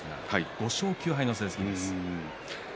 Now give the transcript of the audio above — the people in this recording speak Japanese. ５勝９敗の成績です。